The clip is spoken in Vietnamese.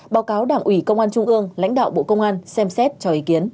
báo cáo đảng ủy công an trung ương lãnh đạo bộ công an xem xét cho ý kiến